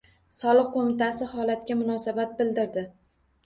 Soliq qo‘mitasi holatga munosabat bildirdi